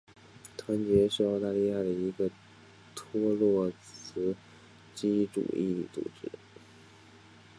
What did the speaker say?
团结是澳大利亚的一个托洛茨基主义组织。